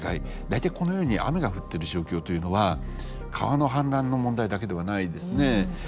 大体このように雨が降ってる状況というのは川の氾濫の問題だけではないんですね。